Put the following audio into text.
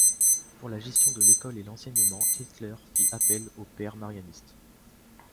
Pour la gestion de l’école et l'enseignement, Ketteler fit appel aux pères Marianistes.